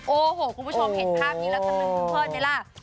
โอ้โหคุณผู้ชมเห็นภาพนี้แล้วกันเลยโอ้โหเพิ่นไหมล่ะ